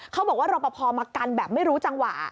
เขาบอกว่ารอปภมากันแบบไม่รู้จังหวะ